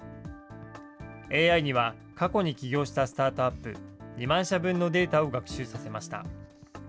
ＡＩには、過去に起業したスタートアップ２万社分のデータを学習させました。